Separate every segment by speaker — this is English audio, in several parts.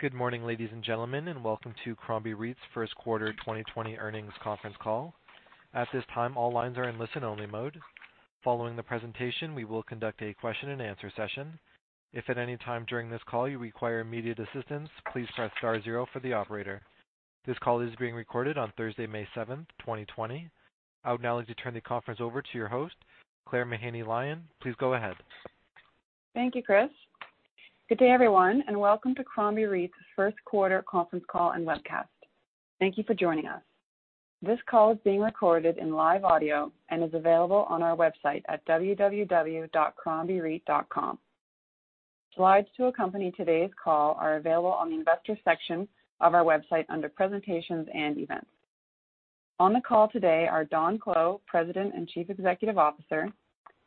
Speaker 1: Good morning, ladies and gentlemen, welcome to Crombie REIT's first quarter 2020 earnings conference call. At this time, all lines are in listen-only mode. Following the presentation, we will conduct a question-and-answer session. If at any time during this call you require immediate assistance, please press star zero for the operator. This call is being recorded on Thursday, May 7, 2020. I would now like to turn the conference over to your host, Claire Mahaney Lyon. Please go ahead.
Speaker 2: Thank you, Chris. Good day, everyone, and welcome to Crombie REIT's first quarter conference call and webcast. Thank you for joining us. This call is being recorded in live audio and is available on our website at www.crombiereit.com. Slides to accompany today's call are available on the investor section of our website under presentations and events. On the call today are Don Clow, President and Chief Executive Officer,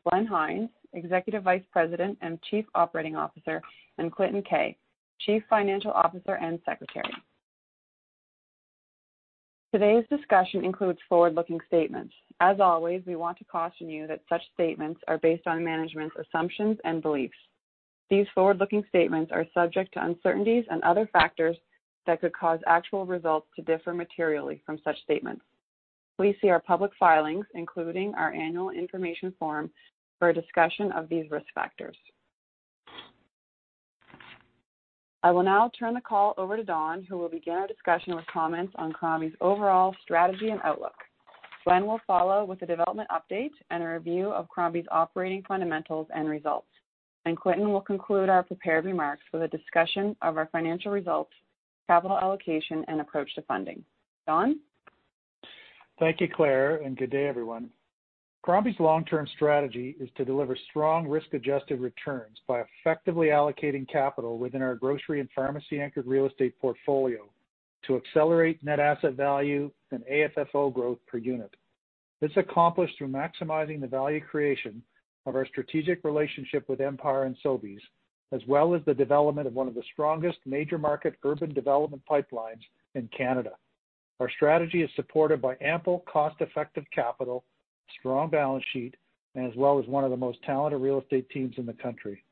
Speaker 2: Glenn Hynes, Executive Vice President and Chief Operating Officer, and Clinton Keay, Chief Financial Officer and Secretary. Today's discussion includes forward-looking statements. As always, we want to caution you that such statements are based on management's assumptions and beliefs. These forward-looking statements are subject to uncertainties and other factors that could cause actual results to differ materially from such statements. Please see our public filings, including our annual information form, for a discussion of these risk factors. I will now turn the call over to Don, who will begin our discussion with comments on Crombie's overall strategy and outlook. Glenn will follow with a development update and a review of Crombie's operating fundamentals and results. Clinton will conclude our prepared remarks with a discussion of our financial results, capital allocation, and approach to funding. Don?
Speaker 3: Thank you, Claire. Good day everyone. Crombie's long-term strategy is to deliver strong risk-adjusted returns by effectively allocating capital within our grocery and pharmacy-anchored real estate portfolio to accelerate net asset value and AFFO growth per unit. This is accomplished through maximizing the value creation of our strategic relationship with Empire and Sobeys, as well as the development of one of the strongest major market urban development pipelines in Canada. Our strategy is supported by ample cost-effective capital, strong balance sheet, and as well as one of the most talented real estate teams in the country.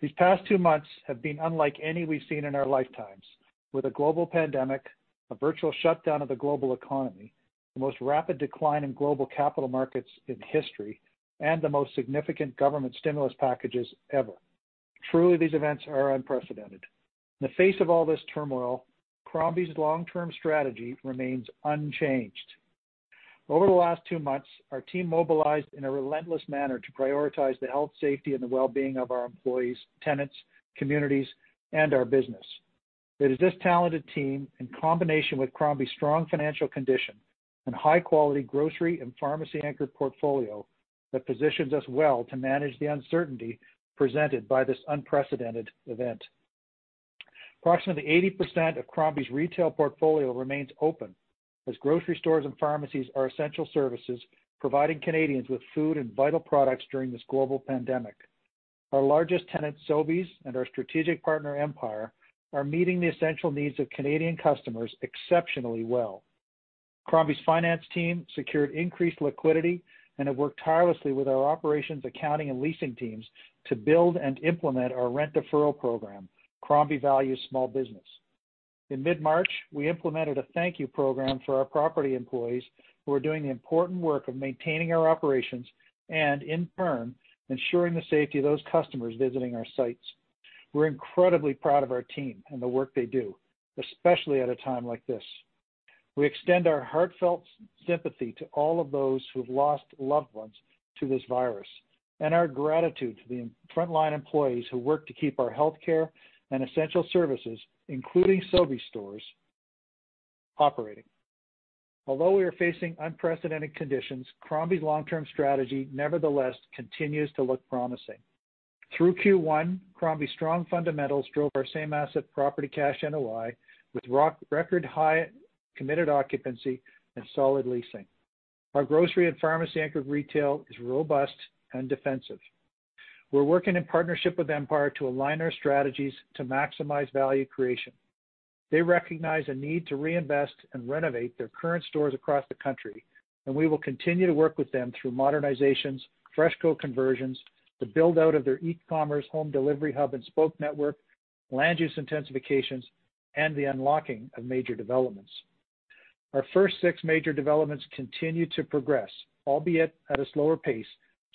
Speaker 3: These past two months have been unlike any we've seen in our lifetimes, with a global pandemic, a virtual shutdown of the global economy, the most rapid decline in global capital markets in history, and the most significant government stimulus packages ever. Truly, these events are unprecedented. In the face of all this turmoil, Crombie's long-term strategy remains unchanged. Over the last two months, our team mobilized in a relentless manner to prioritize the health, safety, and the well-being of our employees, tenants, communities, and our business. It is this talented team, in combination with Crombie's strong financial condition and high-quality grocery and pharmacy-anchored portfolio, that positions us well to manage the uncertainty presented by this unprecedented event. Approximately 80% of Crombie's retail portfolio remains open, as grocery stores and pharmacies are essential services, providing Canadians with food and vital products during this global pandemic. Our largest tenant, Sobeys, and our strategic partner, Empire, are meeting the essential needs of Canadian customers exceptionally well. Crombie's finance team secured increased liquidity and have worked tirelessly with our operations, accounting, and leasing teams to build and implement our rent deferral program, Crombie Values Small Business. In mid-March, we implemented a thank you program for our property employees, who are doing the important work of maintaining our operations and in turn, ensuring the safety of those customers visiting our sites. We're incredibly proud of our team and the work they do, especially at a time like this. We extend our heartfelt sympathy to all of those who've lost loved ones to this virus, and our gratitude to the frontline employees who work to keep our healthcare and essential services, including Sobeys stores, operating. Although we are facing unprecedented conditions, Crombie's long-term strategy nevertheless continues to look promising. Through Q1, Crombie's strong fundamentals drove our same asset property cash NOI with record high committed occupancy and solid leasing. Our grocery and pharmacy-anchored retail is robust and defensive. We're working in partnership with Empire to align our strategies to maximize value creation. They recognize a need to reinvest and renovate their current stores across the country. We will continue to work with them through modernizations, FreshCo conversions, the build-out of their e-commerce home delivery hub and spoke network, land use intensifications, and the unlocking of major developments. Our first six major developments continue to progress, albeit at a slower pace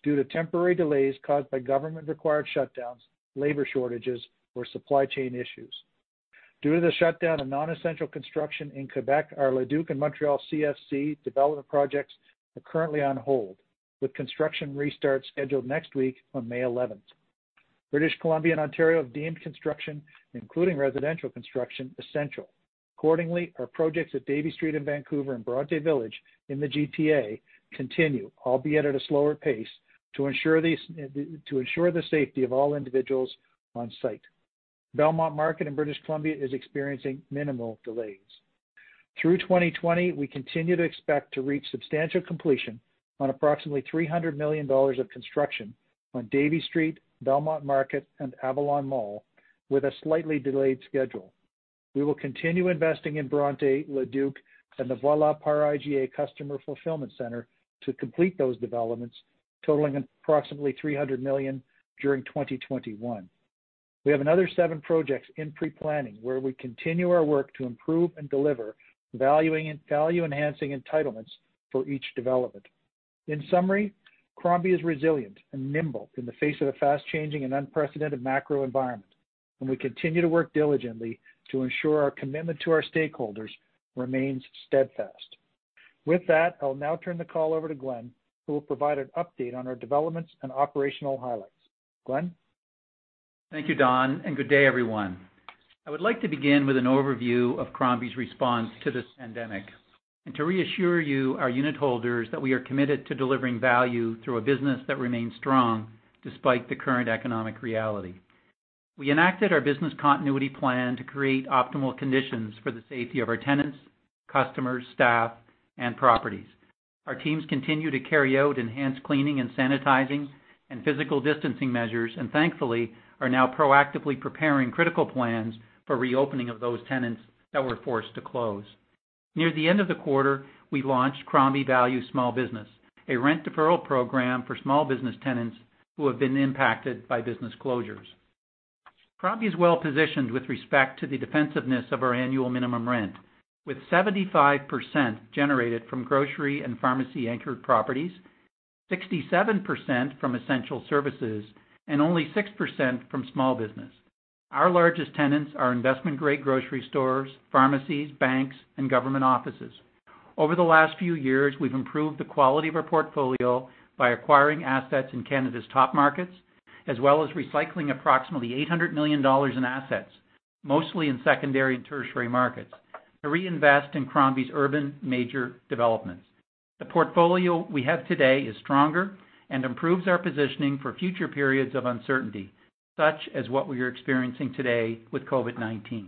Speaker 3: due to temporary delays caused by government-required shutdowns, labor shortages, or supply chain issues. Due to the shutdown of non-essential construction in Quebec, our Leduc and Montreal CFC development projects are currently on hold, with construction restart scheduled next week on May 11th. British Columbia and Ontario have deemed construction, including residential construction, essential. Our projects at Davie Street in Vancouver and Bronte Village in the GTA continue, albeit at a slower pace, to ensure the safety of all individuals on site. Belmont Market in British Columbia is experiencing minimal delays. Through 2020, we continue to expect to reach substantial completion on approximately 300 million dollars of construction on Davie Street, Belmont Market, and Avalon Mall with a slightly delayed schedule. We will continue investing in Bronte, Leduc, and the Voilà par IGA customer fulfillment center to complete those developments totaling approximately 300 million during 2021. We have another seven projects in pre-planning where we continue our work to improve and deliver value-enhancing entitlements for each development. In summary, Crombie is resilient and nimble in the face of the fast-changing and unprecedented macro environment, and we continue to work diligently to ensure our commitment to our stakeholders remains steadfast. With that, I'll now turn the call over to Glenn, who will provide an update on our developments and operational highlights. Glenn?
Speaker 4: Thank you, Don. Good day, everyone. I would like to begin with an overview of Crombie's response to this pandemic and to reassure you, our unit holders, that we are committed to delivering value through a business that remains strong despite the current economic reality. We enacted our business continuity plan to create optimal conditions for the safety of our tenants, customers, staff, and properties. Our teams continue to carry out enhanced cleaning and sanitizing and physical distancing measures and thankfully, are now proactively preparing critical plans for reopening of those tenants that were forced to close. Near the end of the quarter, we launched Crombie Values Small Business, a rent deferral program for small business tenants who have been impacted by business closures. Crombie is well-positioned with respect to the defensiveness of our annual minimum rent, with 75% generated from grocery and pharmacy-anchored properties, 67% from essential services, and only 6% from small business. Our largest tenants are investment-grade grocery stores, pharmacies, banks, and government offices. Over the last few years, we've improved the quality of our portfolio by acquiring assets in Canada's top markets, as well as recycling approximately 800 million dollars in assets, mostly in secondary and tertiary markets, to reinvest in Crombie's urban major developments. The portfolio we have today is stronger and improves our positioning for future periods of uncertainty, such as what we are experiencing today with COVID-19.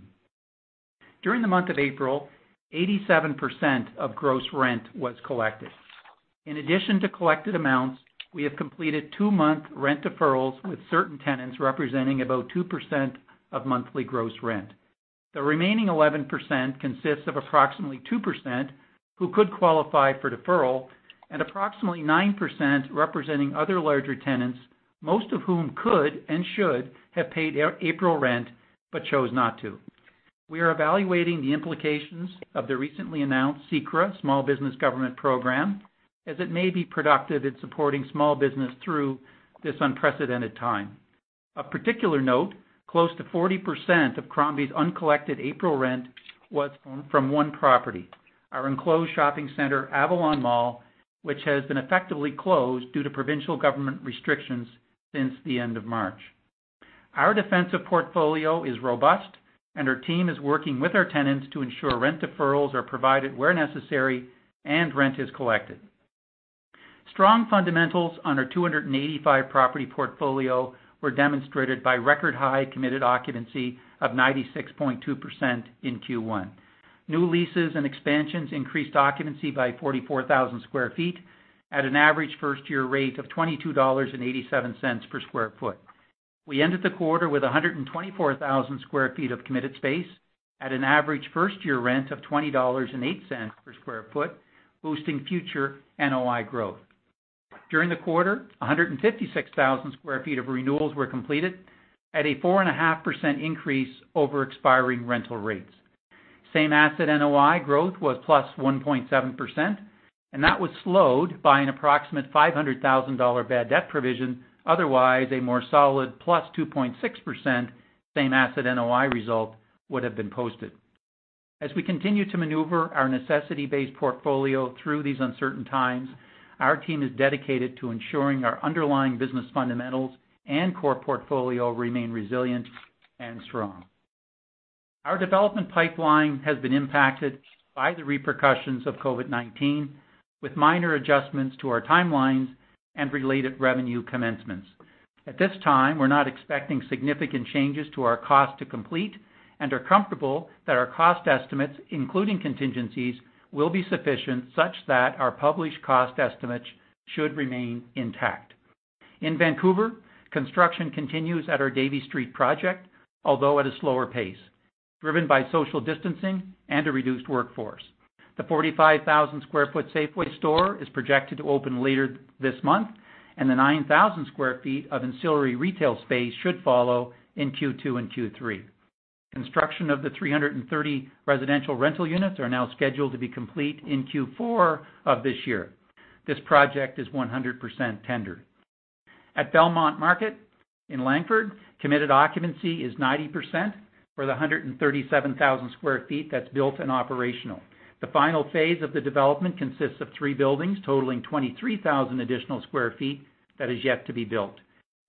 Speaker 4: During the month of April, 87% of gross rent was collected. In addition to collected amounts, we have completed two-month rent deferrals with certain tenants representing about 2% of monthly gross rent. The remaining 11% consists of approximately 2% who could qualify for deferral and approximately 9% representing other larger tenants, most of whom could and should have paid April rent, but chose not to. We are evaluating the implications of the recently announced CECRA small business government program as it may be productive in supporting small business through this unprecedented time. Of particular note, close to 40% of Crombie's uncollected April rent was from one property, our enclosed shopping center, Avalon Mall, which has been effectively closed due to provincial government restrictions since the end of March. Our defensive portfolio is robust and our team is working with our tenants to ensure rent deferrals are provided where necessary and rent is collected. Strong fundamentals on our 285 property portfolio were demonstrated by record-high committed occupancy of 96.2% in Q1. New leases and expansions increased occupancy by 44,000 sq ft at an average first-year rate of 22.87 dollars per square foot. We ended the quarter with 124,000 sq ft of committed space at an average first-year rent of 20.08 dollars per square foot, boosting future NOI growth. During the quarter, 156,000 sq ft of renewals were completed at a 4.5% increase over expiring rental rates. Same asset NOI growth was +1.7%, and that was slowed by an approximate 500,000 dollar bad debt provision. Otherwise, a more solid +2.6% same asset NOI result would have been posted. As we continue to maneuver our necessity-based portfolio through these uncertain times, our team is dedicated to ensuring our underlying business fundamentals and core portfolio remain resilient and strong. Our development pipeline has been impacted by the repercussions of COVID-19, with minor adjustments to our timelines and related revenue commencements. At this time, we're not expecting significant changes to our cost to complete and are comfortable that our cost estimates, including contingencies, will be sufficient such that our published cost estimates should remain intact. In Vancouver, construction continues at our Davie Street project, although at a slower pace, driven by social distancing and a reduced workforce. The 45,000 sq ft Safeway store is projected to open later this month, and the 9,000 sq ft of ancillary retail space should follow in Q2 and Q3. Construction of the 330 residential rental units are now scheduled to be complete in Q4 of this year. This project is 100% tendered. At Belmont Market in Langford, committed occupancy is 90% for the 137,000 sq ft that's built and operational. The final phase of the development consists of three buildings totaling 23,000 additional sq ft that is yet to be built.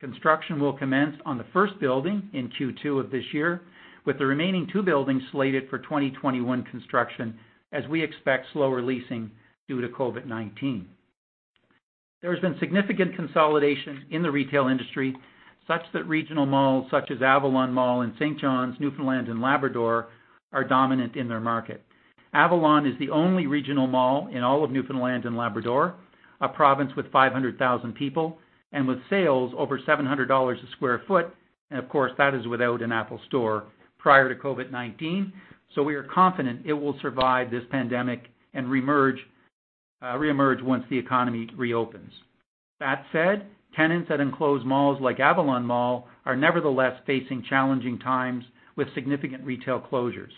Speaker 4: Construction will commence on the first building in Q2 of this year, with the remaining two buildings slated for 2021 construction, as we expect slower leasing due to COVID-19. There has been significant consolidation in the retail industry such that regional malls such as Avalon Mall in St. John's, Newfoundland, and Labrador are dominant in their market. Avalon is the only regional mall in all of Newfoundland and Labrador, a province with 500,000 people and with sales over 700 dollars a square foot. Of course, that is without an Apple store prior to COVID-19. We are confident it will survive this pandemic and reemerge once the economy reopens. That said, tenants at enclosed malls like Avalon Mall are nevertheless facing challenging times with significant retail closures.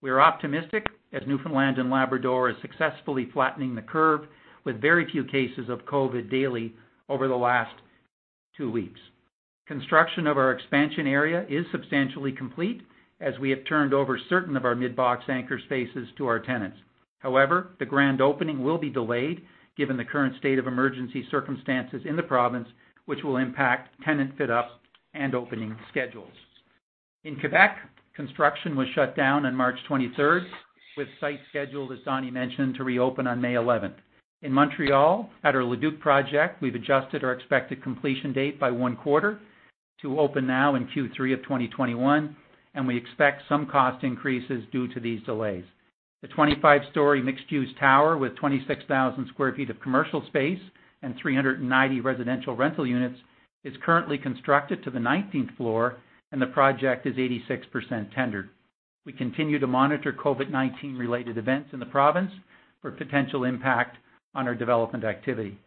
Speaker 4: We are optimistic as Newfoundland and Labrador is successfully flattening the curve with very few cases of COVID daily over the last two weeks. The grand opening will be delayed given the current state of emergency circumstances in the province, which will impact tenant fit-ups and opening schedules. In Quebec, construction was shut down on March 23rd with site scheduled, as Donny mentioned, to reopen on May 11th. In Montreal, at our Le Duke project, we've adjusted our expected completion date by one quarter to open now in Q3 of 2021, and we expect some cost increases due to these delays. The 25-story mixed-use tower with 26,000 sq ft of commercial space and 390 residential rental units is currently constructed to the 19th floor, and the project is 86% tendered. We continue to monitor COVID-19 related events in the province for potential impact on our development activity.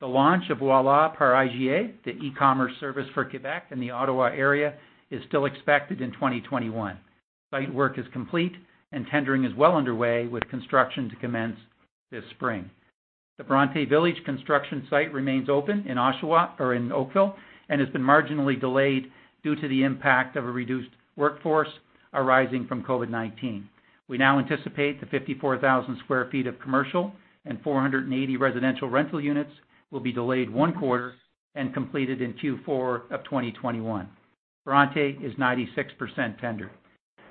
Speaker 4: The launch of Voilà par IGA, the e-commerce service for Quebec and the Ottawa area, is still expected in 2021. Site work is complete and tendering is well underway, with construction to commence this spring. The Bronte Village construction site remains open in Oakville and has been marginally delayed due to the impact of a reduced workforce arising from COVID-19. We now anticipate the 54,000 sq ft of commercial and 480 residential rental units will be delayed one quarter and completed in Q4 of 2021. Bronte is 96% tendered.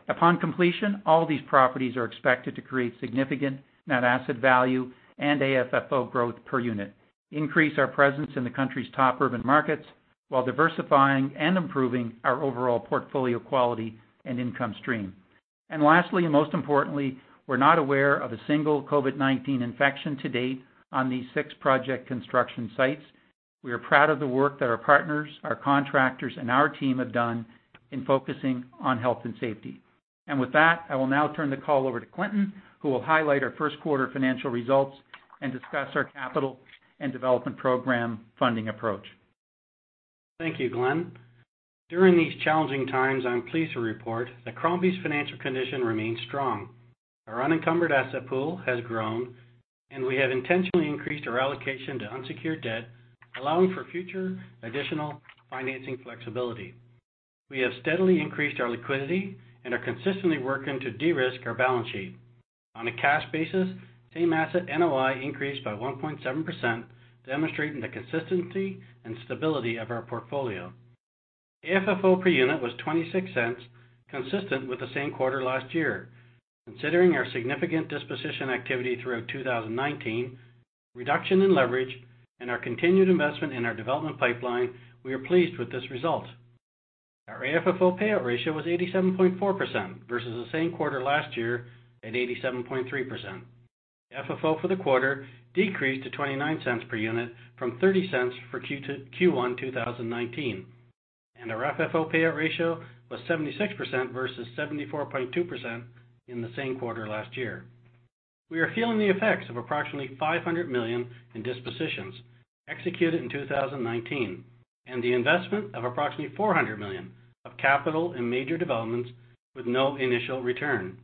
Speaker 4: Upon completion, all these properties are expected to create significant net asset value and AFFO growth per unit, increase our presence in the country's top urban markets, while diversifying and improving our overall portfolio quality and income stream. Lastly, and most importantly, we're not aware of a single COVID-19 infection to date on these six project construction sites. We are proud of the work that our partners, our contractors, and our team have done in focusing on health and safety. With that, I will now turn the call over to Clinton, who will highlight our first quarter financial results and discuss our capital and development program funding approach.
Speaker 5: Thank you, Glenn. During these challenging times, I'm pleased to report that Crombie's financial condition remains strong. Our unencumbered asset pool has grown, and we have intentionally increased our allocation to unsecured debt, allowing for future additional financing flexibility. We have steadily increased our liquidity and are consistently working to de-risk our balance sheet. On a cash basis, same asset NOI increased by 1.7%, demonstrating the consistency and stability of our portfolio. AFFO per unit was 0.26, consistent with the same quarter last year. Considering our significant disposition activity throughout 2019, reduction in leverage, and our continued investment in our development pipeline, we are pleased with this result. Our AFFO payout ratio was 87.4% versus the same quarter last year at 87.3%. FFO for the quarter decreased to 0.29 per unit from 0.30 for Q1 2019, and our FFO payout ratio was 76% versus 74.2% in the same quarter last year. We are feeling the effects of approximately 500 million in dispositions executed in 2019 and the investment of approximately 400 million of capital in major developments with no initial return.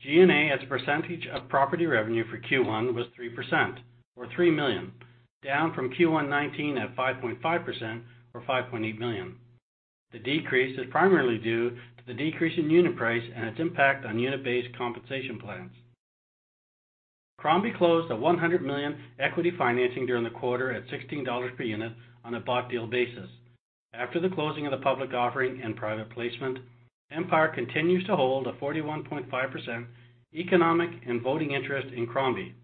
Speaker 5: G&A as a percentage of property revenue for Q1 was 3% or 3 million, down from Q1 2019 at 5.5% or 5.8 million. The decrease is primarily due to the decrease in unit price and its impact on unit-based compensation plans. Crombie closed a 100 million equity financing during the quarter at 16 dollars per unit on a bought deal basis. After the closing of the public offering and private placement, Empire continues to hold a 41.5% economic and voting interest in Crombie.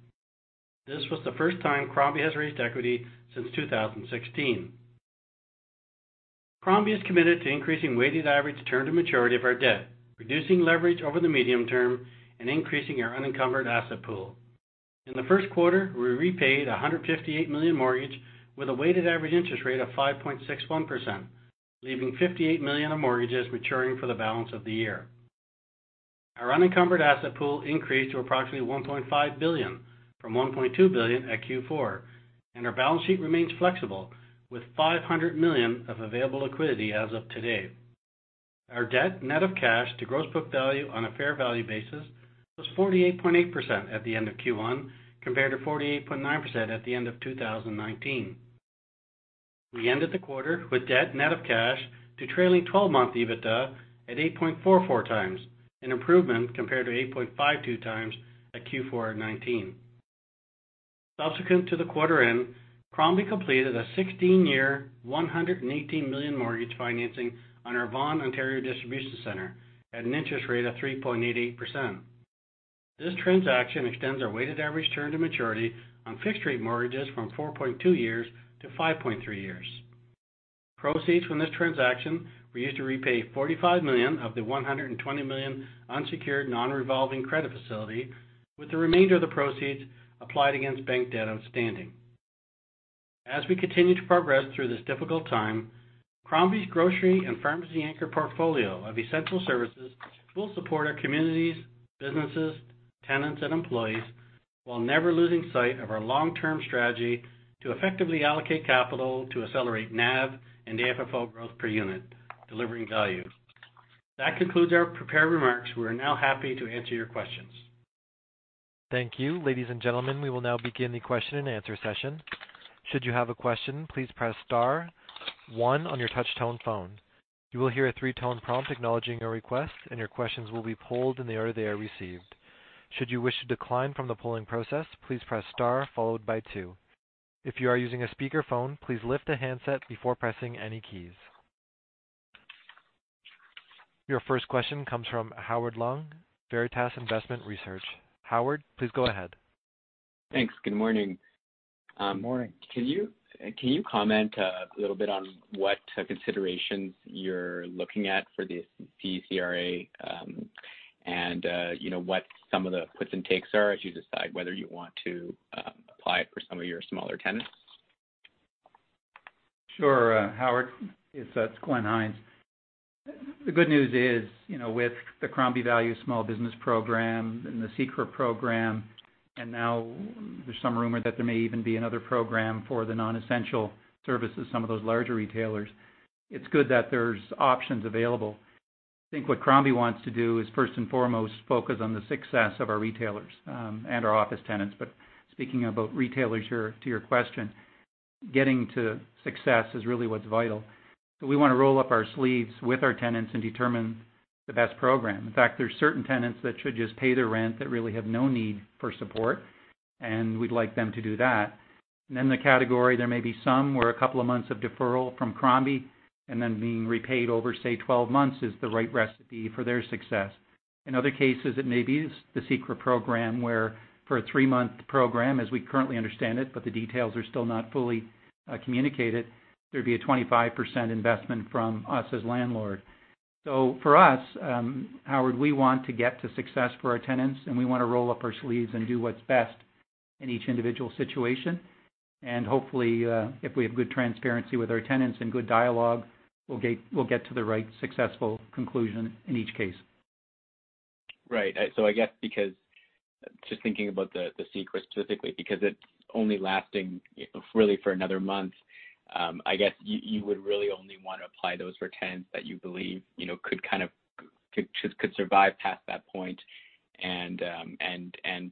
Speaker 5: This was the first time Crombie has raised equity since 2016. Crombie is committed to increasing weighted average term to maturity of our debt, reducing leverage over the medium term, and increasing our unencumbered asset pool. In the first quarter, we repaid 158 million mortgage with a weighted average interest rate of 5.61%, leaving 58 million of mortgages maturing for the balance of the year. Our unencumbered asset pool increased to approximately 1.5 billion from 1.2 billion at Q4, and our balance sheet remains flexible with 500 million of available liquidity as of today. Our debt net of cash to gross book value on a fair value basis was 48.8% at the end of Q1, compared to 48.9% at the end of 2019. We ended the quarter with debt net of cash to trailing 12-month EBITDA at 8.44x, an improvement compared to 8.52x at Q4 2019. Subsequent to the quarter end, Crombie completed a 16-year, 118 million mortgage financing on our Vaughan, Ontario, distribution center at an interest rate of 3.88%. This transaction extends our weighted average term to maturity on fixed-rate mortgages from 4.2 years to 5.3 years. Proceeds from this transaction were used to repay 45 million of the 120 million unsecured non-revolving credit facility, with the remainder of the proceeds applied against bank debt outstanding. As we continue to progress through this difficult time, Crombie's grocery and pharmacy anchor portfolio of essential services will support our communities, businesses, tenants, and employees while never losing sight of our long-term strategy to effectively allocate capital to accelerate NAV and AFFO growth per unit, delivering value. That concludes our prepared remarks. We're now happy to answer your questions.
Speaker 1: Thank you. Ladies and gentlemen, we will now begin the question-and-answer session. Should you have a question, please press star one on your touch-tone phone. You will hear a three-tone prompt acknowledging your request, and your questions will be polled in the order they are received. Should you wish to decline from the polling process, please press star followed by two. If you are using a speakerphone, please lift the handset before pressing any keys. Your first question comes from Howard Leung, Veritas Investment Research. Howard, please go ahead.
Speaker 6: Thanks. Good morning.
Speaker 4: Good morning.
Speaker 6: Can you comment a little bit on what considerations you're looking at for the CECRA, and what some of the puts and takes are as you decide whether you want to apply it for some of your smaller tenants?
Speaker 4: Sure, Howard. It's Glenn Hynes. The good news is, with the Crombie Values Small Business program and the CECRA program, now there's some rumor that there may even be another program for the non-essential services, some of those larger retailers. It's good that there's options available. I think what Crombie wants to do is, first and foremost, focus on the success of our retailers, and our office tenants. Speaking about retailers, to your question, getting to success is really what's vital. We want to roll up our sleeves with our tenants and determine the best program. In fact, there's certain tenants that should just pay their rent that really have no need for support, and we'd like them to do that. The category, there may be some where a couple of months of deferral from Crombie and then being repaid over, say, 12 months is the right recipe for their success. In other cases, it may be the CECRA program where for a three-month program, as we currently understand it, the details are still not fully communicated, there'd be a 25% investment from us as landlord. For us, Howard, we want to get to success for our tenants, and we want to roll up our sleeves and do what's best in each individual situation. Hopefully, if we have good transparency with our tenants and good dialogue, we'll get to the right successful conclusion in each case.
Speaker 6: Right. I guess because just thinking about the CECRA specifically, because it's only lasting really for another month, I guess you would really only want to apply those for tenants that you believe could survive past that point and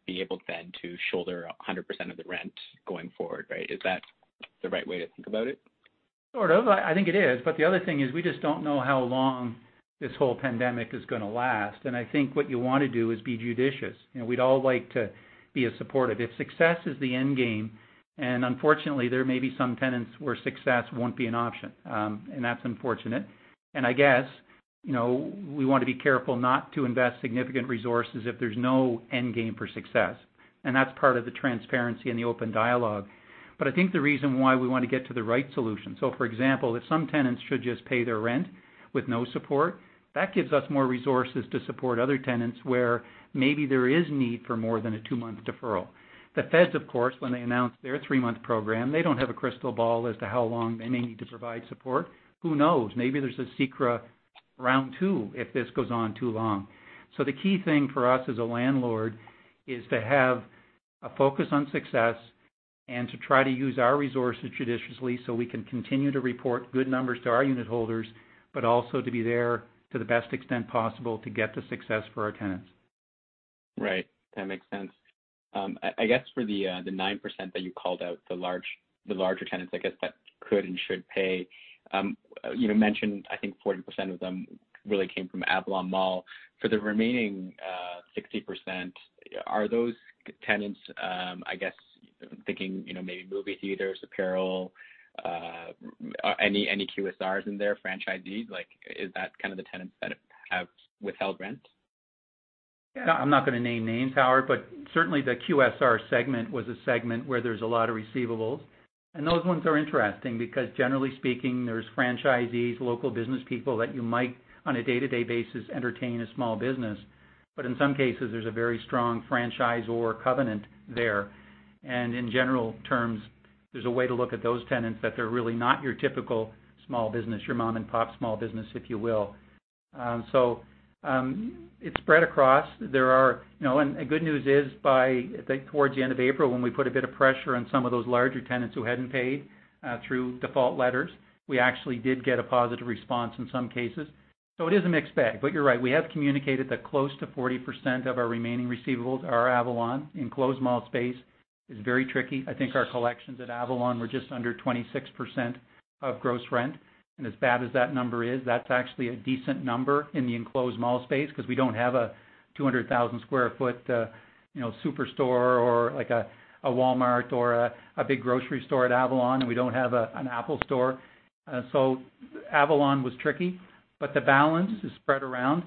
Speaker 6: be able then to shoulder 100% of the rent going forward, right? Is that the right way to think about it?
Speaker 4: Sort of. I think it is. The other thing is we just don't know how long this whole pandemic is going to last, and I think what you want to do is be judicious. We'd all like to be as supportive. If success is the end game, and unfortunately, there may be some tenants where success won't be an option. That's unfortunate. I guess, we want to be careful not to invest significant resources if there's no end game for success, and that's part of the transparency and the open dialogue. I think the reason why we want to get to the right solution. For example, if some tenants should just pay their rent with no support, that gives us more resources to support other tenants where maybe there is need for more than a two-month deferral. The feds, of course, when they announced their three-month program, they don't have a crystal ball as to how long they may need to provide support. Who knows? Maybe there's a CECRA round two if this goes on too long. The key thing for us as a landlord is to have a focus on success and to try to use our resources judiciously so we can continue to report good numbers to our unit holders, but also to be there to the best extent possible to get to success for our tenants.
Speaker 6: Right. That makes sense. I guess for the 9% that you called out, the larger tenants, I guess that could and should pay. You mentioned, I think 40% of them really came from Avalon Mall. For the remaining 60%, are those tenants, I guess, thinking maybe movie theaters, apparel, any QSRs in there, franchisees? Is that kind of the tenants that have withheld rent?
Speaker 4: Yeah, I'm not going to name names, Howard, but certainly the QSR segment was a segment where there's a lot of receivables. Those ones are interesting because generally speaking, there's franchisees, local business people that you might, on a day-to-day basis, entertain a small business. In some cases, there's a very strong franchisor covenant there. In general terms, there's a way to look at those tenants that they're really not your typical small business, your mom-and-pop small business, if you will. It's spread across. Good news is, by, I think towards the end of April, when we put a bit of pressure on some of those larger tenants who hadn't paid through default letters, we actually did get a positive response in some cases. It is a mixed bag. You're right, we have communicated that close to 40% of our remaining receivables are Avalon. Enclosed mall space is very tricky. I think our collections at Avalon were just under 26% of gross rent. As bad as that number is, that's actually a decent number in the enclosed mall space because we don't have a 200,000 sq ft superstore or a Walmart or a big grocery store at Avalon, and we don't have an Apple store. Avalon was tricky, but the balance is spread around.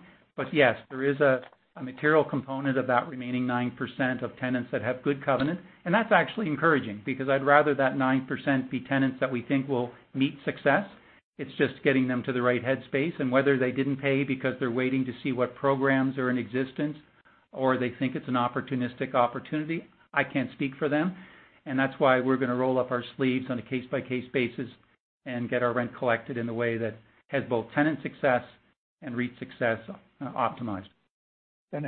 Speaker 4: Yes, there is a material component of that remaining 9% of tenants that have good covenant. That's actually encouraging because I'd rather that 9% be tenants that we think will meet success. It's just getting them to the right headspace and whether they didn't pay because they're waiting to see what programs are in existence. They think it's an opportunistic opportunity. I can't speak for them. That's why we're going to roll up our sleeves on a case-by-case basis and get our rent collected in the way that has both tenant success and REIT success optimized.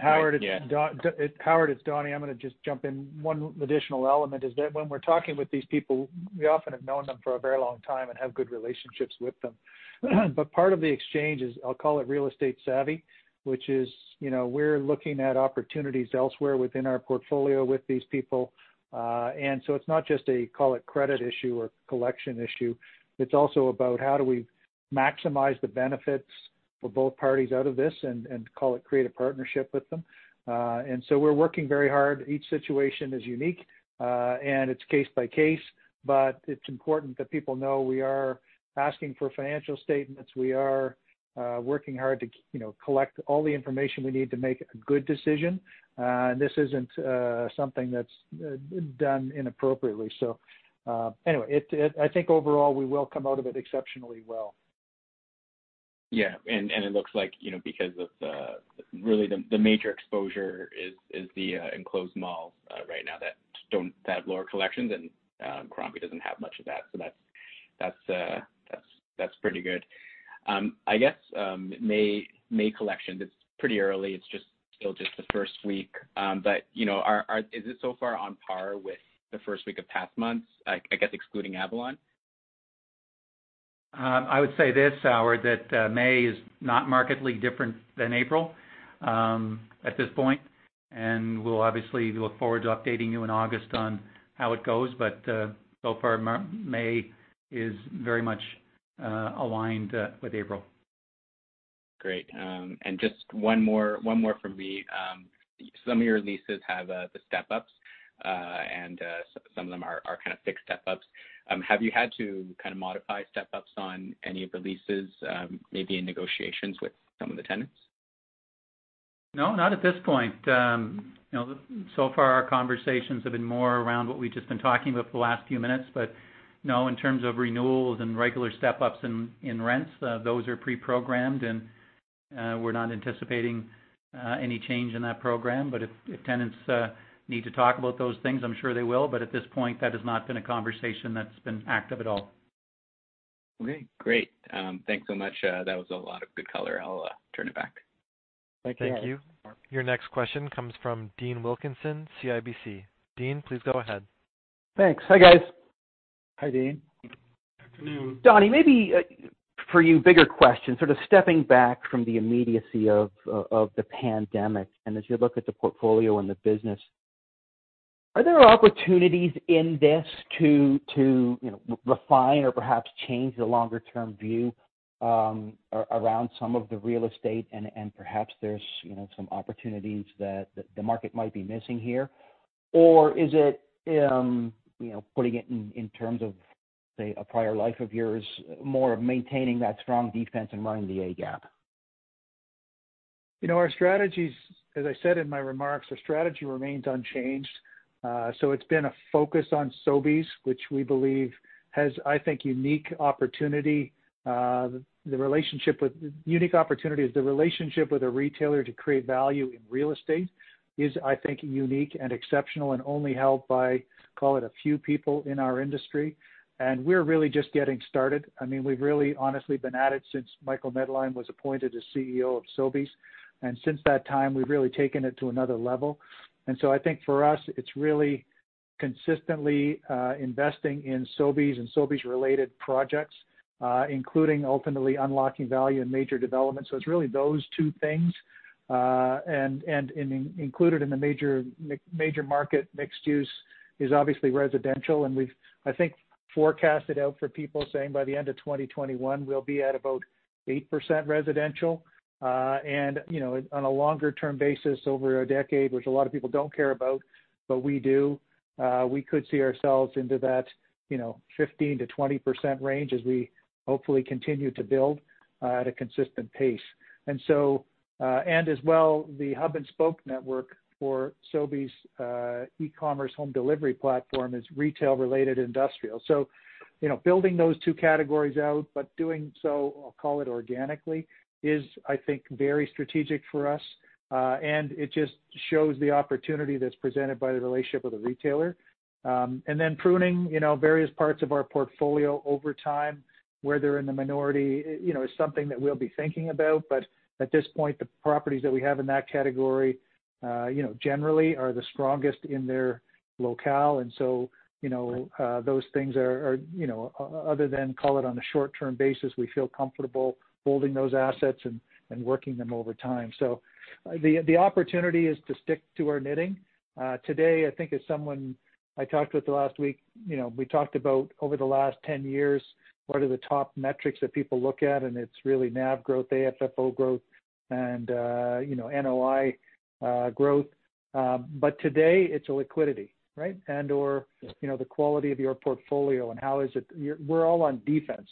Speaker 3: Howard, it's Donny. I'm going to just jump in. One additional element is that when we're talking with these people, we often have known them for a very long time and have good relationships with them. Part of the exchange is, I'll call it real estate savvy, which is we're looking at opportunities elsewhere within our portfolio with these people. It's not just a, call it credit issue or collection issue, it's also about how do we maximize the benefits for both parties out of this and call it creative partnership with them. We're working very hard. Each situation is unique, and it's case by case, but it's important that people know we are asking for financial statements. We are working hard to collect all the information we need to make a good decision. This isn't something that's done inappropriately. Anyway, I think overall, we will come out of it exceptionally well.
Speaker 6: Yeah. It looks like because of the, really the major exposure is the enclosed malls right now that have lower collections, and Crombie doesn't have much of that, so that's pretty good. I guess, May collections, it's pretty early. It's just still just the first week. Is it so far on par with the first week of past months, I guess excluding Avalon?
Speaker 4: I would say this, Howard, that May is not markedly different than April at this point. We'll obviously look forward to updating you in August on how it goes. So far, May is very much aligned with April.
Speaker 6: Great. Just one more from me. Some of your leases have the step-ups, and some of them are kind of fixed step-ups. Have you had to kind of modify step-ups on any of the leases, maybe in negotiations with some of the tenants?
Speaker 4: No, not at this point. Far our conversations have been more around what we've just been talking about for the last few minutes. No, in terms of renewals and regular step-ups in rents, those are pre-programmed, and we're not anticipating any change in that program. If tenants need to talk about those things, I'm sure they will. At this point, that has not been a conversation that's been active at all.
Speaker 6: Okay, great. Thanks so much. That was a lot of good color. I'll turn it back.
Speaker 4: Thank you.
Speaker 1: Thank you. Your next question comes from Dean Wilkinson, CIBC. Dean, please go ahead.
Speaker 7: Thanks. Hi, guys.
Speaker 4: Hi, Dean.
Speaker 3: Afternoon.
Speaker 7: Donny, maybe for you, bigger question, sort of stepping back from the immediacy of the pandemic, and as you look at the portfolio and the business. Are there opportunities in this to refine or perhaps change the longer-term view around some of the real estate and perhaps there's some opportunities that the market might be missing here? Is it, putting it in terms of, say, a prior life of yours, more of maintaining that strong defense and running the A-gap?
Speaker 3: Our strategies, as I said in my remarks, our strategy remains unchanged. It's been a focus on Sobeys, which we believe has, I think, unique opportunity. The relationship with Sobeys. The relationship with a retailer to create value in real estate is, I think, unique and exceptional and only held by, call it, a few people in our industry. We're really just getting started. We've really honestly been at it since Michael Medline was appointed as CEO of Sobeys. Since that time, we've really taken it to another level. I think for us, it's really consistently investing in Sobeys and Sobeys-related projects including ultimately unlocking value in major developments. It's really those two things. Included in the major market mixed use is obviously residential, and we've, I think, forecasted out for people saying by the end of 2021, we'll be at about 8% residential. On a longer-term basis over a decade, which a lot of people don't care about, but we do, we could see ourselves into that 15%-20% range as we hopefully continue to build at a consistent pace. As well, the hub and spoke network for Sobeys' e-commerce home delivery platform is retail-related industrial. Building those two categories out, but doing so, I'll call it organically, is, I think, very strategic for us. It just shows the opportunity that's presented by the relationship with the retailer. Pruning various parts of our portfolio over time, where they're in the minority, is something that we'll be thinking about. At this point, the properties that we have in that category, generally are the strongest in their locale. Those things are, other than, call it on a short-term basis, we feel comfortable holding those assets and working them over time. The opportunity is to stick to our knitting. Today, I think as someone I talked with the last week, we talked about over the last 10 years, what are the top metrics that people look at, and it's really NAV growth, AFFO growth, and NOI growth. Today, it's liquidity, right? And/or the quality of your portfolio and how is it we're all on defense.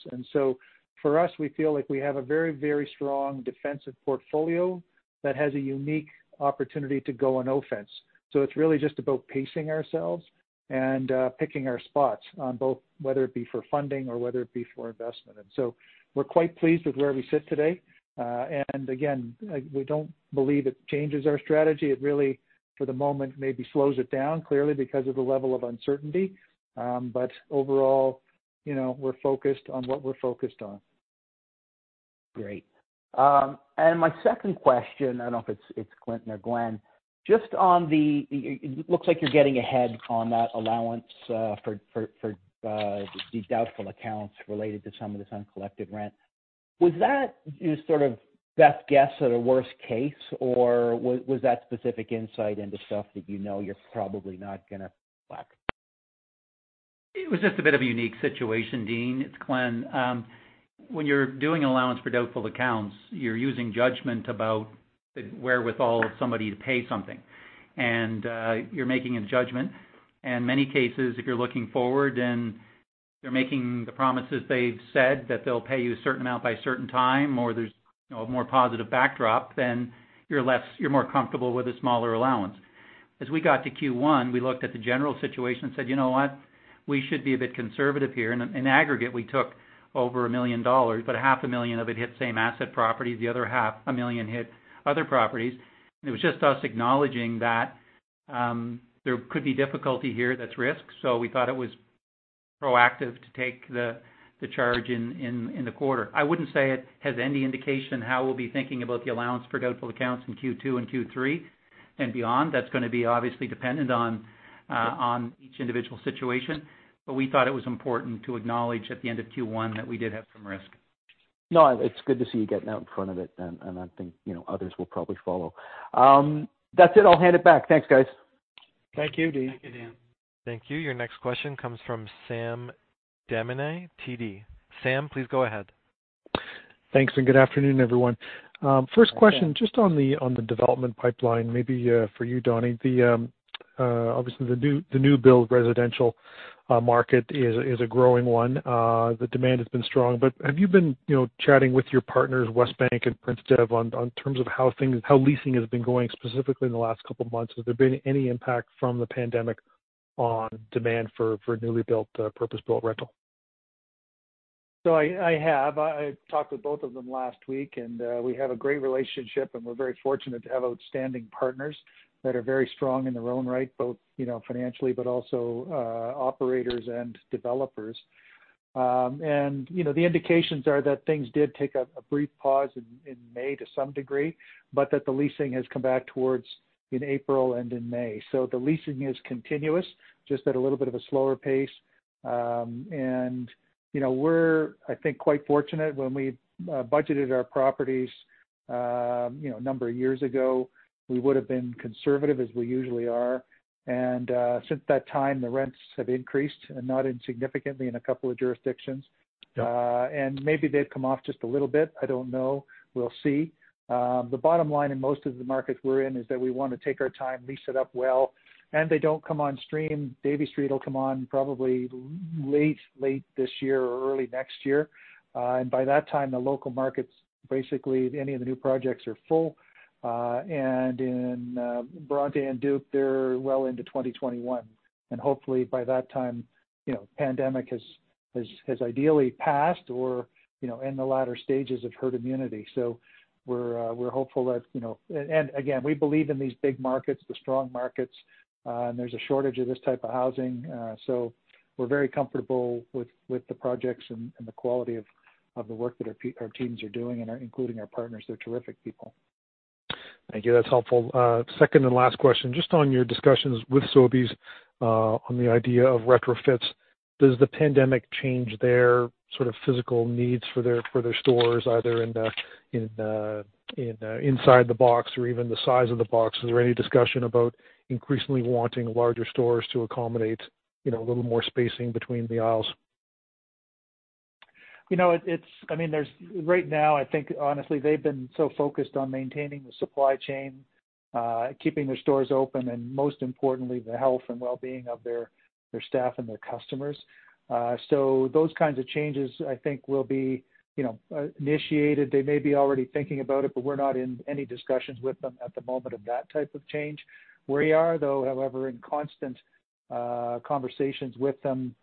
Speaker 3: For us, we feel like we have a very strong defensive portfolio that has a unique opportunity to go on offense. It's really just about pacing ourselves and picking our spots on both, whether it be for funding or whether it be for investment. We're quite pleased with where we sit today. Again, we don't believe it changes our strategy. It really, for the moment, maybe slows it down, clearly because of the level of uncertainty. Overall, we're focused on what we're focused on.
Speaker 7: Great. My second question, I don't know if it's Clinton or Glenn. It looks like you're getting ahead on that allowance for the doubtful accounts related to some of this uncollected rent. Was that your best guess at a worst case, or was that specific insight into stuff that you know you're probably not going to collect?
Speaker 4: It was just a bit of a unique situation, Dean. It's Glenn. When you're doing allowance for doubtful accounts, you're using judgment about the wherewithal of somebody to pay something. You're making a judgment. In many cases, if you're looking forward and they're making the promises, they've said that they'll pay you a certain amount by a certain time, or there's a more positive backdrop, then you're more comfortable with a smaller allowance. As we got to Q1, we looked at the general situation and said, "You know what? We should be a bit conservative here." In aggregate, we took over 1 million dollars, but a half a million of it hit same asset properties. The other CAD half a million hit other properties. It was just us acknowledging that there could be difficulty here. That's risk. We thought it was proactive to take the charge in the quarter. I wouldn't say it has any indication how we'll be thinking about the allowance for doubtful accounts in Q2 and Q3 and beyond. That's going to be obviously dependent on each individual situation. We thought it was important to acknowledge at the end of Q1 that we did have some risk.
Speaker 7: It's good to see you getting out in front of it, and I think others will probably follow. That's it. I'll hand it back. Thanks, guys.
Speaker 3: Thank you, Dean.
Speaker 5: Thank you, Dean.
Speaker 1: Thank you. Your next question comes from Sam Damiani, TD. Sam, please go ahead.
Speaker 8: Thanks, good afternoon, everyone. First question, just on the development pipeline, maybe for you, Donnie. Obviously, the new build residential market is a growing one. The demand has been strong. Have you been chatting with your partners, Westbank and PrinceDev, in terms of how leasing has been going specifically in the last couple of months? Has there been any impact from the pandemic on demand for newly built, purpose-built rental?
Speaker 3: I have. I talked with both of them last week, and we have a great relationship, and we're very fortunate to have outstanding partners that are very strong in their own right, both financially, but also operators and developers. The indications are that things did take a brief pause in May to some degree, but that the leasing has come back towards in April and in May. The leasing is continuous, just at a little bit of a slower pace. We're, I think, quite fortunate when we budgeted our properties a number of years ago. We would've been conservative, as we usually are. Since that time, the rents have increased, and not insignificantly in a couple of jurisdictions.
Speaker 8: Yeah.
Speaker 3: Maybe they've come off just a little bit. I don't know. We'll see. The bottom line in most of the markets we're in is that we want to take our time, lease it up well, and they don't come on stream. Davie Street will come on probably late this year or early next year. By that time, the local markets, basically any of the new projects are full. In Bronte and Duke, they're well into 2021, and hopefully by that time, pandemic has ideally passed or in the latter stages of herd immunity. Again, we believe in these big markets, the strong markets, and there's a shortage of this type of housing. We're very comfortable with the projects and the quality of the work that our teams are doing including our partners. They're terrific people.
Speaker 8: Thank you. That's helpful. Second and last question, just on your discussions with Sobeys on the idea of retrofits. Does the pandemic change their physical needs for their stores, either inside the box or even the size of the box? Is there any discussion about increasingly wanting larger stores to accommodate a little more spacing between the aisles?
Speaker 3: Right now, I think honestly, they've been so focused on maintaining the supply chain, keeping their stores open, and most importantly, the health and well-being of their staff and their customers. Those kinds of changes, I think, will be initiated. They may be already thinking about it, but we're not in any discussions with them at the moment of that type of change. We are, though, however, in constant conversations with them.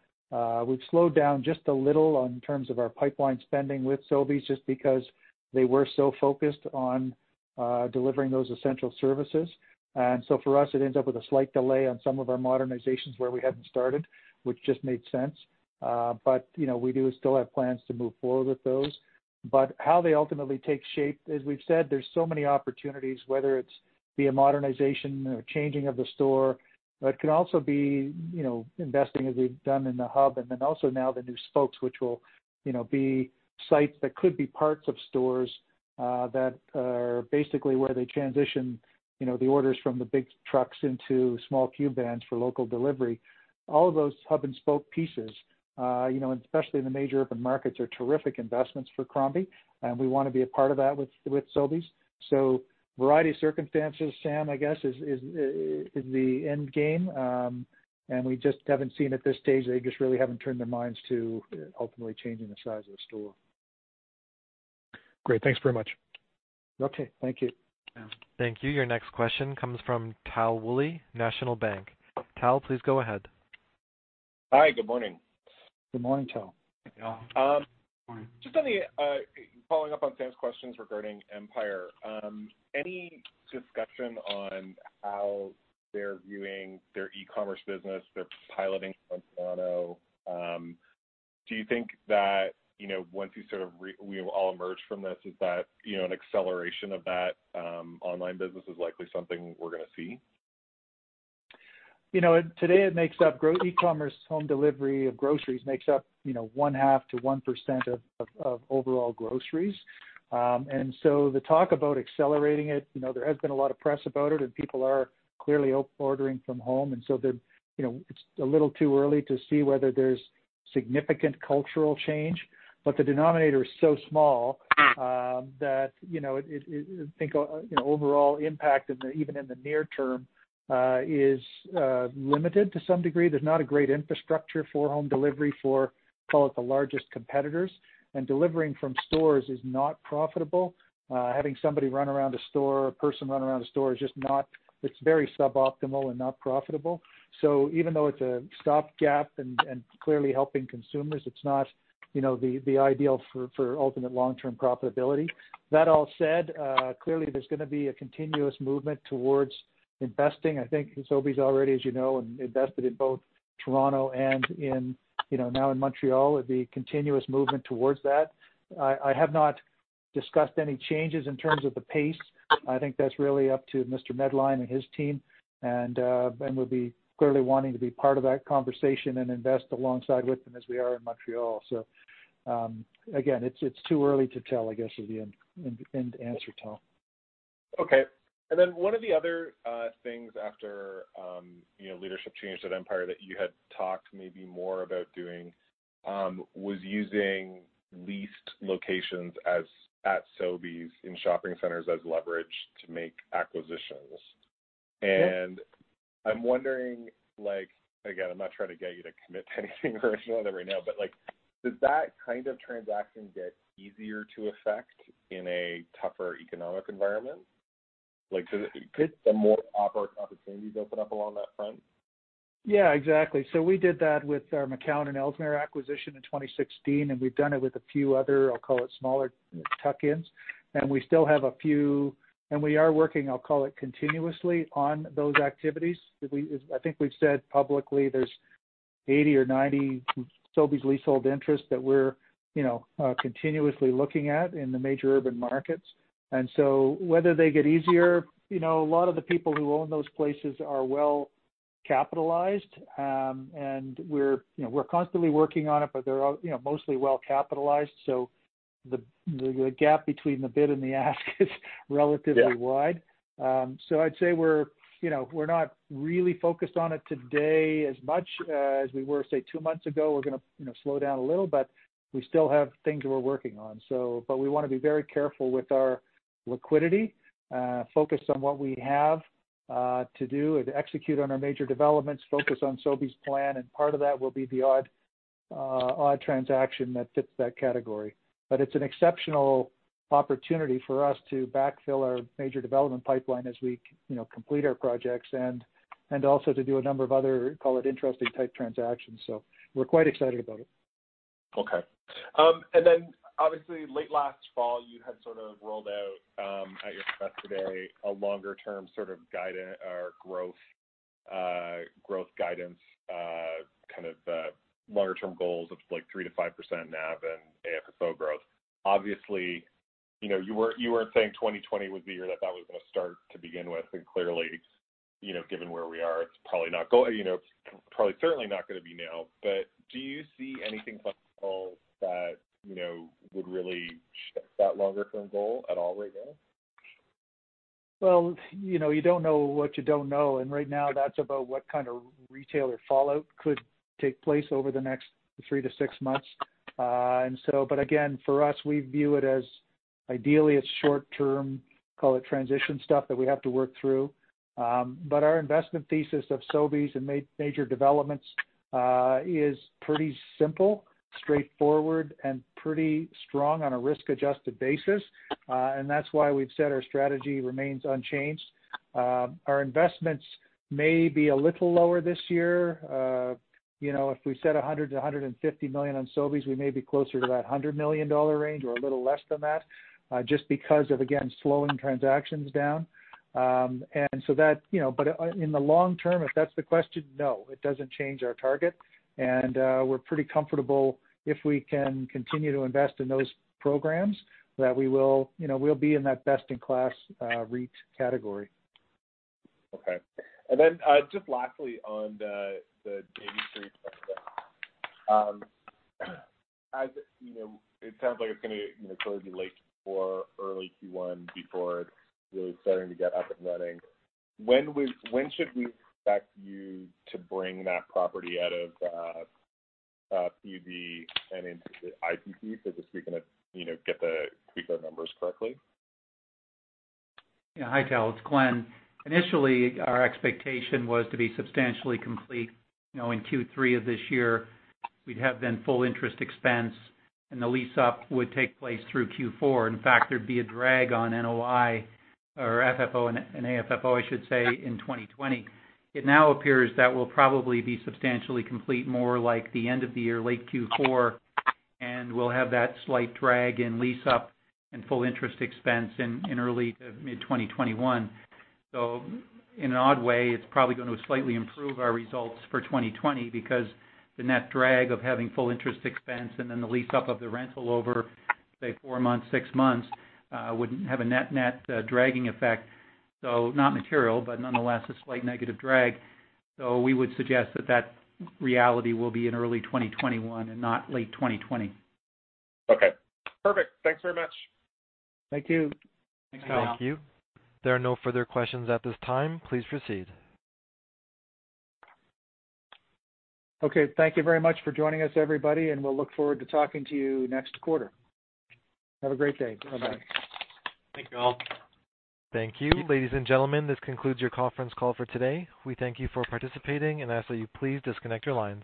Speaker 3: We've slowed down just a little in terms of our pipeline spending with Sobeys just because they were so focused on delivering those essential services. For us, it ends up with a slight delay on some of our modernizations where we hadn't started, which just made sense. We do still have plans to move forward with those. How they ultimately take shape, as we've said, there's so many opportunities, whether it's via modernization or changing of the store. It can also be investing as we've done in the hub, and then also now the new spokes, which will be sites that could be parts of stores that are basically where they transition the orders from the big trucks into small cube vans for local delivery. All of those hub-and-spoke pieces, especially in the major urban markets, are terrific investments for Crombie, and we want to be a part of that with Sobeys. Variety of circumstances, Sam, I guess, is the end game. We just haven't seen at this stage, they just really haven't turned their minds to ultimately changing the size of the store.
Speaker 8: Great. Thanks very much.
Speaker 3: Okay. Thank you.
Speaker 1: Thank you. Your next question comes from Tal Woolley, National Bank. Tal, please go ahead.
Speaker 9: Hi. Good morning.
Speaker 3: Good morning, Tal.
Speaker 5: Good morning.
Speaker 4: Morning.
Speaker 9: Just following up on Sam's questions regarding Empire. Any discussion on how they're viewing their e-commerce business, their piloting from Toronto? Do you think that once we all emerge from this, is that an acceleration of that online business is likely something we're going to see?
Speaker 3: Today it makes up, e-commerce home delivery of groceries makes up one half to 1% of overall groceries. The talk about accelerating it, there has been a lot of press about it, and people are clearly ordering from home, it's a little too early to see whether there's significant cultural change, the denominator is so small that I think overall impact even in the near term is limited to some degree. There's not a great infrastructure for home delivery for, call it the largest competitors. Delivering from stores is not profitable. Having somebody run around a store or a person run around a store, it's very suboptimal and not profitable. Even though it's a stopgap and clearly helping consumers, it's not the ideal for ultimate long-term profitability. That all said, clearly there's going to be a continuous movement towards investing. I think Sobeys already, as you know, invested in both Toronto and now in Montreal. It will be a continuous movement towards that. I have not discussed any changes in terms of the pace. I think that's really up to Mr. Medline and his team, and we'll be clearly wanting to be part of that conversation and invest alongside with them as we are in Montreal. Again, it's too early to tell, I guess, is the end answer, Tal.
Speaker 9: Okay. One of the other things after leadership change at Empire that you had talked maybe more about doing was using leased locations at Sobeys in shopping centers as leverage to make acquisitions.
Speaker 3: Yes.
Speaker 9: I'm wondering, again, I'm not trying to get you to commit to anything right now, but does that kind of transaction get easier to affect in a tougher economic environment? Could some more operating opportunities open up along that front?
Speaker 3: Yeah, exactly. We did that with our McCowan and Ellesmere acquisition in 2016, and we've done it with a few other, I'll call it smaller tuck-ins. We still have a few, and we are working, I'll call it continuously on those activities. I think we've said publicly there's 80 or 90 Sobeys leasehold interests that we're continuously looking at in the major urban markets. Whether they get easier, a lot of the people who own those places are well capitalized. We're constantly working on it, but they're mostly well capitalized. The gap between the bid and the ask is relatively wide.
Speaker 9: Yeah.
Speaker 3: I'd say we're not really focused on it today as much as we were, say, two months ago. We're going to slow down a little, but we still have things we're working on. We want to be very careful with our liquidity, focused on what we have to do to execute on our major developments, focus on Sobeys plan, and part of that will be the odd transaction that fits that category. It's an exceptional opportunity for us to backfill our major development pipeline as we complete our projects, and also to do a number of other, call it interesting type transactions. We're quite excited about it.
Speaker 9: Okay. Obviously late last fall, you had sort of rolled out, at your press today, a longer-term sort of growth guidance, kind of longer term goals of 3%-5% NAV and AFFO growth. Obviously, you weren't saying 2020 was the year that was going to start to begin with, and clearly, given where we are it's probably certainly not going to be now. Do you see anything possible that would really shift that longer term goal at all right now?
Speaker 3: Well, you don't know what you don't know, and right now that's about what kind of retailer fallout could take place over the next three to six months. Again, for us, we view it as ideally it's short-term, call it transition stuff that we have to work through. Our investment thesis of Sobeys and major developments is pretty simple, straightforward, and pretty strong on a risk-adjusted basis. That's why we've said our strategy remains unchanged. Our investments may be a little lower this year. If we set 100 million-150 million on Sobeys, we may be closer to that 100 million dollar range or a little less than that, just because of, again, slowing transactions down. In the long term, if that's the question, no, it doesn't change our target. We're pretty comfortable if we can continue to invest in those programs, that we'll be in that best-in-class REIT category.
Speaker 9: Okay. Just lastly on the Davie Street transaction. It sounds like it is going to sort of be late Q4, early Q1 before it is really starting to get up and running. When should we expect you to bring that property out of PUD and into the IPP for the books, and get the numbers correctly?
Speaker 4: Yeah. Hi, Tal, it's Glenn. Initially, our expectation was to be substantially complete in Q3 of this year. We'd have then full interest expense. The lease up would take place through Q4. In fact, there'd be a drag on NOI or FFO and AFFO, I should say, in 2020. It now appears that we'll probably be substantially complete more like the end of the year, late Q4. We'll have that slight drag in lease up and full interest expense in early to mid-2021. In an odd way, it's probably going to slightly improve our results for 2020 because the net drag of having full interest expense and then the lease up of the rental over, say four months, six months, would have a net-net dragging effect. Not material. Nonetheless, a slight negative drag. We would suggest that that reality will be in early 2021 and not late 2020.
Speaker 9: Okay, perfect. Thanks very much.
Speaker 3: Thank you.
Speaker 4: Thanks, Tal.
Speaker 1: Thank you. There are no further questions at this time. Please proceed.
Speaker 3: Okay, thank you very much for joining us, everybody, and we'll look forward to talking to you next quarter. Have a great day. Bye-bye.
Speaker 4: Thanks, Tal.
Speaker 1: Thank you. Ladies and gentlemen, this concludes your conference call for today. We thank you for participating and ask that you please disconnect your lines.